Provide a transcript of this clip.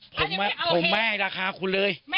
ผมไม่ให้ราคาคุณเลย